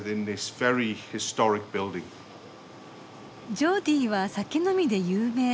ジョーディーは酒飲みで有名。